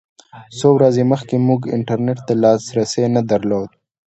څو ورځې مخکې موږ انټرنېټ ته لاسرسی نه درلود.